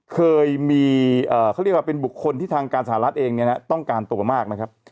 เคยมีเขาเรียกว่าเป็นบุคคลที่ทางการสหรัฐเองเนี่ยนะต้องการตัวมากนะครับ